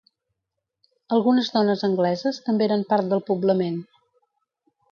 Algunes dones angleses també eren part del poblament.